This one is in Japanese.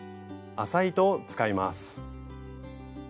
麻糸を使います。